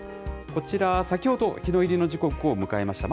こちら、先ほど日の入りの時刻を迎えました。